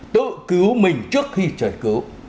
tự cứu mình trước khi trời cứu